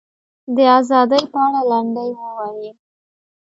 د ازادۍ په اړه لنډۍ ووایي.